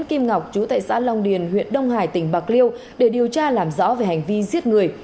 kim ngọc chú tại xã long điền huyện đông hải tỉnh bạc liêu để điều tra làm rõ về hành vi giết người